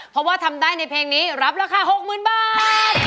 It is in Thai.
เพราะว่าทำได้ในเพลงนี้รับราคา๖๐๐๐บาท